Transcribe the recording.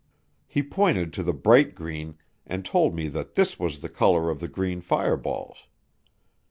He pointed to the bright green and told me that this was the color of the green fireballs.